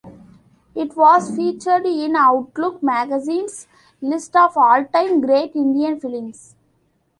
It was featured in "Outlook" magazine's list of All-Time Great Indian films.